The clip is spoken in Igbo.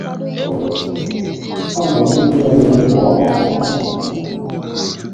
a na-eduru ya wee pụọ ahịa.